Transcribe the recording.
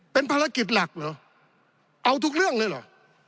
เป็นภารกิจหลักเหรอเอาทุกเรื่องเลยเหรอ